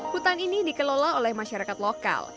hutan ini dikelola oleh masyarakat lokal